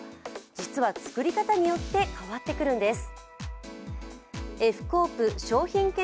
実は、作り方によって変わってくるんです。